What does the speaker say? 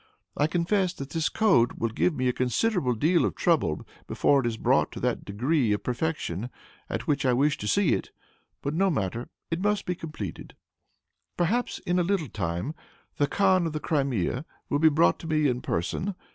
I confess that this code will give me a considerable deal of trouble before it is brought to that degree of perfection at which I wish to see it. But no matter, it must be completed. "Perhaps, in a little time, the khan of the Crimea will be brought to me in person.